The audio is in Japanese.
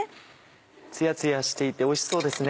つやつやしていておいしそうですね。